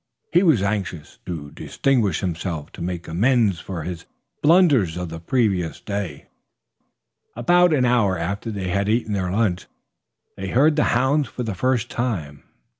He was anxious to distinguish himself, to make amends for his blunders of the previous day. About an hour after they had eaten their lunch they heard the bounds for the first time.